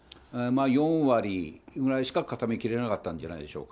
４割ぐらいしか固めきれなかったんじゃないでしょうか。